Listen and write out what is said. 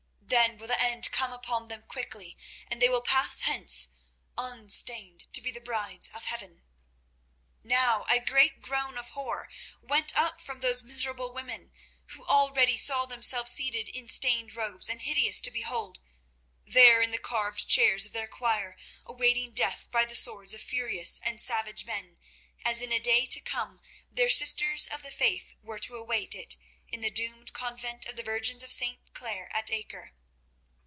Then will the end come upon them quickly, and they will pass hence unstained to be the brides of Heaven." Now a great groan of horror went up from those miserable women, who already saw themselves seated in stained robes, and hideous to behold, there in the carved chairs of their choir, awaiting death by the swords of furious and savage men, as in a day to come their sisters of the Faith were to await it in the doomed convent of the Virgins of St. Clare at Acre.